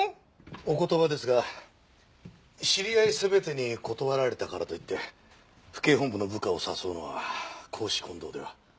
お言葉ですが知り合い全てに断られたからといって府警本部の部下を誘うのは公私混同では？